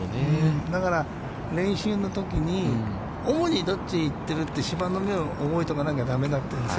だから、練習のときに、主にどっち行ってるって芝の目を覚えておかなきゃだめなんです。